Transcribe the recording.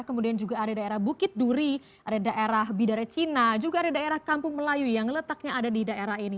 kemudian juga ada daerah bukit duri ada daerah bidara cina juga ada daerah kampung melayu yang letaknya ada di daerah ini